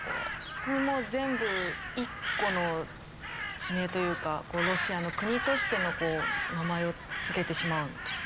これも全部１個の地名というかロシアの国としての名前を付けてしまうみたいな。